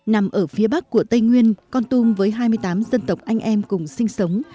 nằm ở phía bắc của tây nguyên con tum với hai mươi tám dân tộc anh em cùng sinh sống